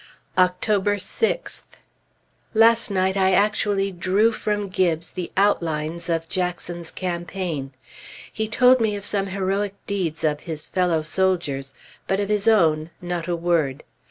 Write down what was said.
October 6th. Last night, I actually drew from Gibbes the outlines of Jackson's campaign. He told me of some heroic deeds of his fellow soldiers; but of his own, not a word.